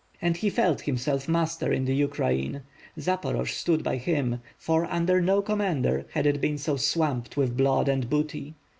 And he felt himself master in the Ukraine. Zaporoj stood by him, for, under no commander had it been so swamped with blood and booty.